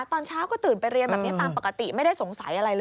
ตอนเช้าก็ตื่นไปเรียนแบบนี้ตามปกติไม่ได้สงสัยอะไรเลย